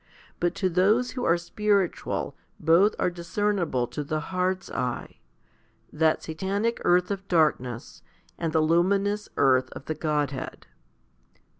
But to those who are spiritual both are discernible to the heart's eye, that Satanic earth of darkness and the luminous earth of the Godhead.